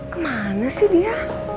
kemana sih dia